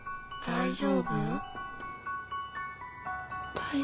大丈夫。